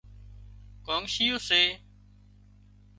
ڪانڳشيئو سي